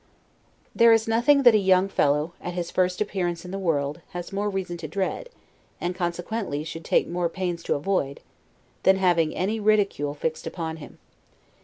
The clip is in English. There is nothing that a young fellow, at his first appearance in the world, has more reason to dread, and consequently should take more pains to avoid, than having any ridicule fixed upon him.